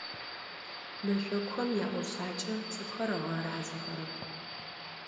Мэшӏокухэм яӏофшӏакӏэ цӏыфхэр ыгъэразэхэрэп.